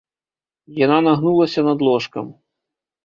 Яна нагнулася над ложкам.